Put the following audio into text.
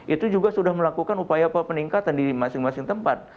itu juga sudah melakukan upaya peningkatan di masing masing tempat